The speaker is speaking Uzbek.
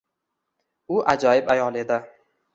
U ajoyib ayol edi.